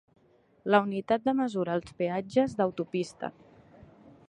La unitat de mesura als peatges d'autopista.